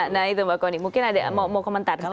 nah itu mbak koni mungkin ada yang mau komentar